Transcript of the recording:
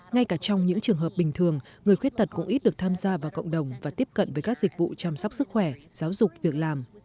ngay cả trong những trường hợp bình thường người khuyết tật cũng ít được tham gia vào cộng đồng và tiếp cận với các dịch vụ chăm sóc sức khỏe giáo dục việc làm